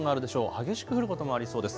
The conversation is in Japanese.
激しく降ることもありそうです。